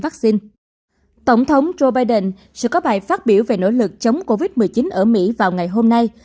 tổng thống joe biden sẽ có bài phát biểu về nỗ lực chống covid một mươi chín ở mỹ vào ngày hôm nay